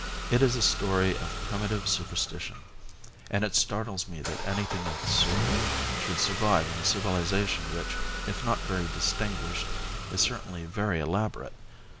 It is a story of primitive superstition, and it startles me that anything of the sort should survive in a civilisation which, if not very distinguished, is certainly very elaborate.